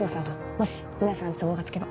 もし皆さん都合がつけば。